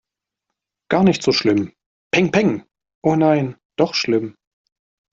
Gar nicht so schlimm. Pengpeng. Oh nein, doch schlimm!